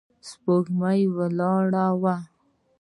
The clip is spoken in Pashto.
سپوږمۍ ولاړه وه.